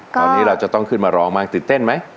ตอนนี้เราจะต้องขึ้นมาร้องบ้างตื่นเต้นไหม